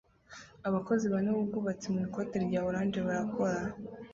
abakozi bane b'ubwubatsi mu ikoti rya orange barakora